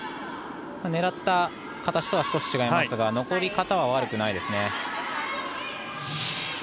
狙った形とは少し違いましたが残り方は悪くないですね。